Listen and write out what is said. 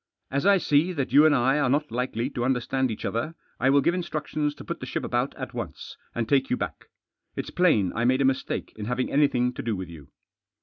As I see that you and I are not likely to understand each other I will give instruc tions to put the ship about at once, and take you back. It's plain I made a mistake in having anything to do with you."